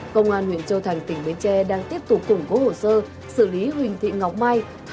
công an huyện châu thành tỉnh bến tre đang tiếp tục củng cố hồ sơ xử lý huỳnh thị ngọc mai